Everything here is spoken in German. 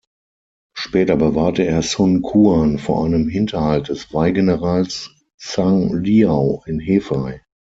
Später bewahrte er Sun Quan vor einem Hinterhalt des Wei-Generals Zhang Liao in Hefei.